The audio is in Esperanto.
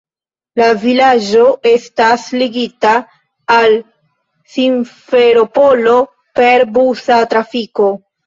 La vilaĝo estas ligita al Simferopolo per busa trafiko.